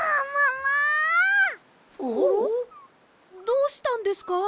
どうしたんですか？